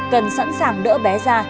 cần sẵn sàng đỡ bé ra